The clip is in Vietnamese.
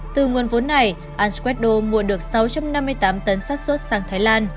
từ nguồn vốn này an scredo mua được sáu trăm năm mươi tám tấn sát xuất sang thái lan